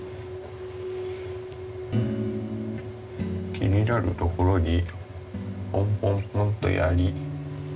気になるところにポンポンポンとやり。